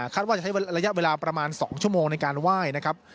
ว่าจะใช้ระยะเวลาประมาณ๒ชั่วโมงในการไหว้นะครับ